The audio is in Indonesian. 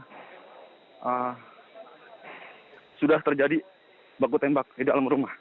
sudah terjadi baku tembak di dalam rumah